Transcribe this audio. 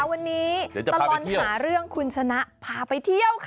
วันนี้ตลอดหาเรื่องคุณชนะพาไปเที่ยวค่ะ